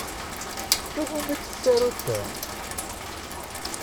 I wumi-tt tsarut-a?